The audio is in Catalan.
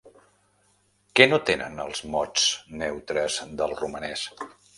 Què no tenen els mots neutres del romanès?